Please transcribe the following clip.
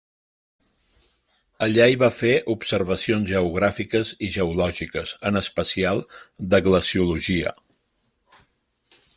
Allà hi va fer observacions geogràfiques i geològiques, en especial de glaciologia.